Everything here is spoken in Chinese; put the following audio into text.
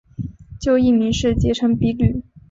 旧艺名是结城比吕。